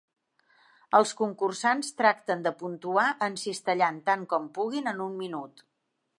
Els concursants tracten de puntuar encistellant tant com puguin en un minut.